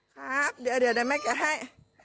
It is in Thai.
ครับเดี๋ยวให้